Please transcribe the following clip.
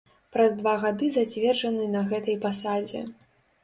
Праз два гады зацверджаны на гэтай пасадзе.